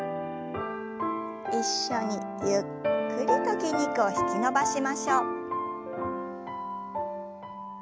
一緒にゆっくりと筋肉を引き伸ばしましょう。